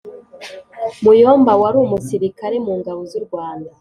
muyomba wari umusirikare mungabo zu rwanda